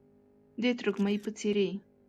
د ترږمۍ په څیرې،